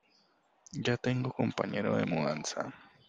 Ya tengo compañero de mudanza.